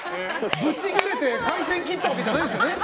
ブチ切れて回線を切ったわけじゃないですよね。